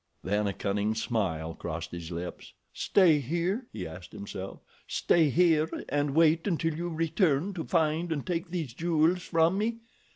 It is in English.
Then a cunning smile crossed his lips. "Stay here?" he asked himself. "Stay here and wait until you return to find and take these jewels from me?